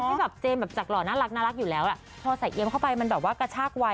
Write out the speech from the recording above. คำที่แบบเจมส์แบบจากหล่อน่ารักอยู่แล้วทางใส่เกียงเข้าไปกระชากไวอ่ะ